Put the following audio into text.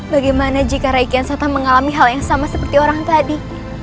bagaimana jika raikian satam mengalami hal yang sama seperti orang tadi